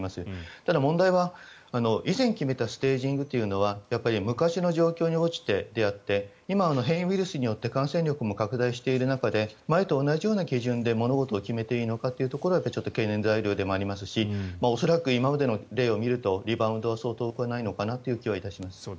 ただ、問題は、以前決めたステージングというのはやっぱり昔の状況に応じてであって今、変異ウイルスによって感染力も拡大している中で前と同じような基準で物事を決めていいのかというところは懸念材料でもありますし恐らく今までの例を見るとリバウンドはそう遠くないのかなという気がします。